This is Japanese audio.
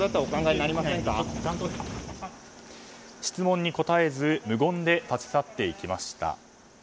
質問に答えず無言で立ち去っていきました。